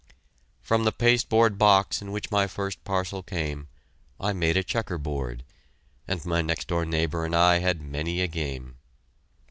From the pasteboard box in which my first parcel came, I made a checker board, and my next door neighbor and I had many a game.